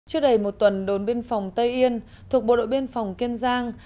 trước đầy một tuần đồn biên phòng tây yên thuộc bộ đội biên phòng kiên giang